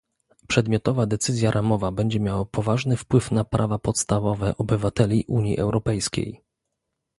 Przedmiotowa decyzja ramowa będzie miała poważny wpływ na prawa podstawowe obywateli Unii Europejskiej